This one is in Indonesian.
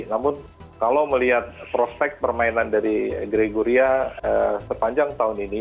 namun kalau melihat prospek permainan dari gregoria sepanjang tahun ini